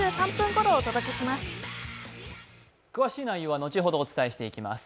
詳しい内容は後ほどお伝えしてまいります。